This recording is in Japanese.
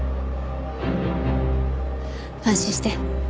安心して。